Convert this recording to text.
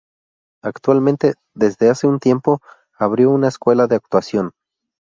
Actualmente, desde hace un tiempo, abrió una escuela de actuación.